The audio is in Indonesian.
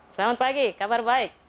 selamat pagi kabar baik